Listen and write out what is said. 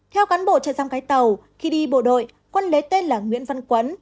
theo cán bộ chạy giam cái tàu khi đi bộ đội quân lấy tên là nguyễn văn quấn